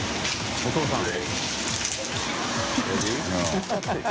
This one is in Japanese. お父さん